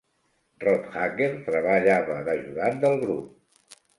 Rothacker treballava d'ajudant del grup.